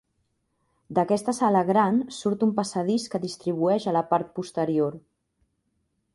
D'aquesta sala gran surt un passadís que distribueix a la part posterior.